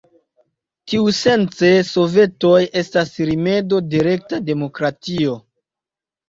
Tiusence sovetoj estas rimedo de rekta demokratio.